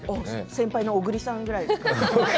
先輩の小栗さんぐらいですか。